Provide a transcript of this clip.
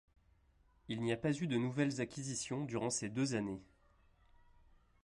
Il n’y a pas eu de nouvelles acquisitions durant ces deux années.